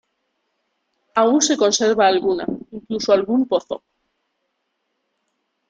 Aún se conserva alguna, incluso algún pozo.